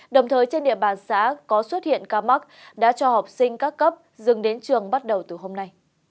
đồng thời trên địa bàn xã có xuất hiện ca mắc đã cho học sinh các cấp dừng đến trường bắt đầu từ hôm nay